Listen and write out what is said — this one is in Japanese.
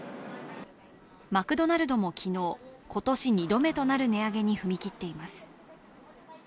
マクドナルドも昨日、今年２度目となる値上げに踏み切っています。